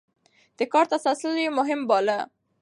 د کار تسلسل يې مهم باله.